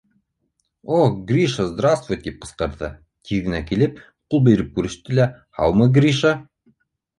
— О Гриша, здравствуй! — тип ҡысҡырҙы, тиҙ генә килеп, ҡул биреп күреште лә: — һаумы, Гриша!